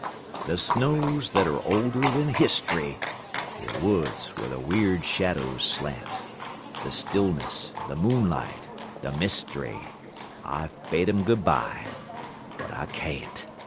The snows that are older than history, The woods where the weird shadows slant; The stillness, the moonlight, the mystery, I've bade 'em good by but I can't.